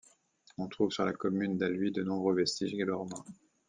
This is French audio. On trouve sur la commune d'Alluy de nombreux vestiges gallo-romains.